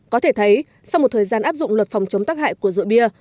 có thể thấy sau một thời gian áp dụng luật phòng chống tắc hại của rượu bia